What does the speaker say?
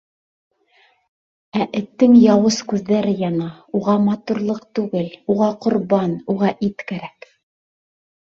Ә эттең яуыз күҙҙәре яна, уға матурлыҡ түгел, уға ҡорбан, уға ит кәрәк.